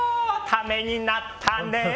ためになったね！